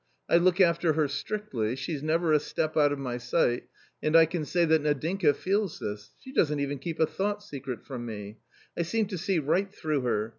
I look after her strictly, she's never a step out of my sight, and I can say that Nadinka feels this ; she doesn't even keep a thought secret from me. I seem to see right through her.